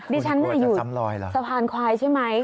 ดิฉันอยู่สะพานควายใช่ไหม